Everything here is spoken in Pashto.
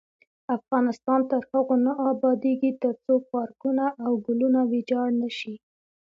افغانستان تر هغو نه ابادیږي، ترڅو پارکونه او ګلونه ویجاړ نشي.